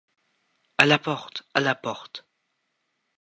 À la porte! à la porte !